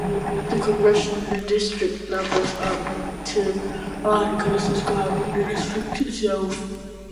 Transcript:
The congressional district numbers are linked to articles describing the district itself.